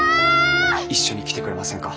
一緒に来てくれませんか？